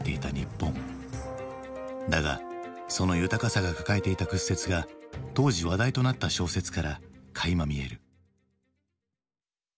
だがその豊かさが抱えていた屈折が当時話題となった小説からかいま見える。